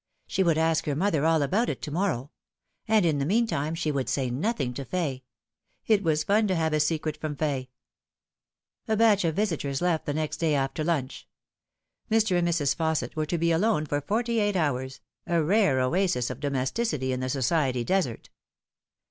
She would ask her mother all about it to morrow ; and in the meantime she would say nothing to Fay. It was fun to have a secret from Fay. A batch of visitors left next day after lunch. Mr. and Mrs. Fausset were to be alone for forty eight hours, a rare oasis of domesticity in the society desert.